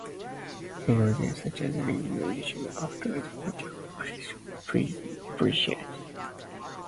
Cryogens, such as liquid nitrogen, are further used for specialty chilling and freezing applications.